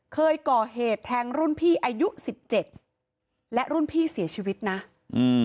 เคยก่อเหตุแทงรุ่นพี่อายุสิบเจ็ดและรุ่นพี่เสียชีวิตนะอืม